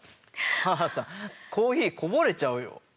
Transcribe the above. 母さんコーヒーこぼれちゃうよ。